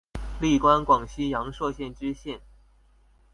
历官广西阳朔县知县。